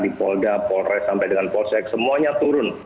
di polda polres sampai dengan polsek semuanya turun